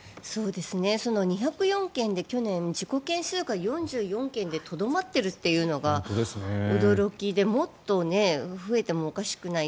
２０４件で去年、事故件数が４４件でとどまっているというのが驚きでもっと増えてもおかしくない。